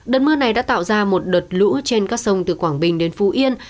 đợt mưa này đã tạo ra một đợt lũ trên các sông từ quảng bình đến phú yên